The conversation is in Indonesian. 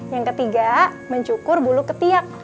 yang ketiga mencukur bulu ketiak